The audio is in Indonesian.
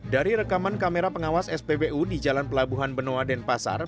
dari rekaman kamera pengawas spbu di jalan pelabuhan benoa denpasar